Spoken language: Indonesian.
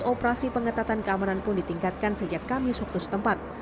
operasi pengetatan keamanan pun ditingkatkan sejak kamis waktu setempat